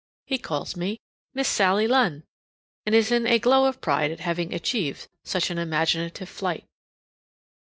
He calls me "Miss Sally Lunn," and is in a glow of pride at having achieved such an imaginative flight.